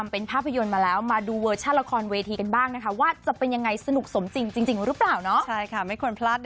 โปรดติดตามตอนต่อไป